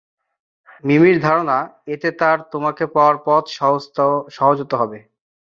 মিমির ধারণা, এতে তার তোমাকে পাওয়ার পথ সহজত হবে।